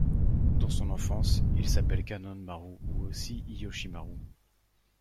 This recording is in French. Dans son enfance, il s'appelle Kannonmaru ou aussi Hiyoshimaru.